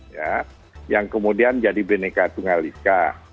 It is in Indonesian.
ya yang kemudian jadi bineka tunggal ika